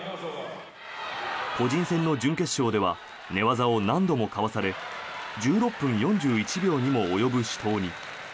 個人戦の準決勝では寝技を何度もかわされ１６分４１秒にも及ぶ死闘に。